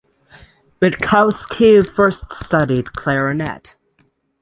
Witkowski first studied clarinet.